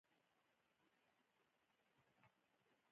چای ستړیا له منځه وړي.